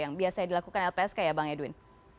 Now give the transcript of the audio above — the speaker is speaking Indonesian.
yang biasanya dilakukan lpsk ya bang edwin